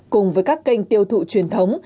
cùng với các kênh tiêu thụ truyền thống